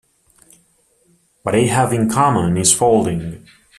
What they have in common is folding.